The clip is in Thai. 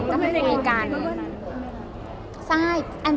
ก็คุยกัน